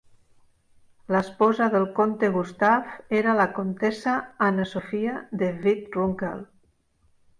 L'esposa del comte Gustav era la comtessa Anna Sofia de Wied-Runkel.